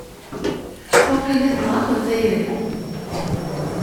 Waqila tenɣa-ken tayri!